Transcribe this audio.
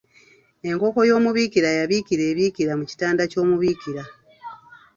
Enkoko y’omubiikira yabiikira e Biikira mu kitanda ky’omubiikira.